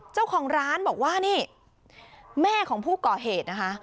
เจ้าของร้านบอกว่านี่แม่ของผู้ก่อเหตุนะคะ